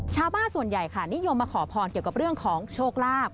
ชาวบ้านส่วนใหญ่ค่ะนิยมมาขอพรเกี่ยวกับเรื่องของโชคลาภ